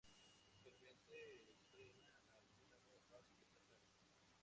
Actualmente entrena al Dinamo Basket Sassari.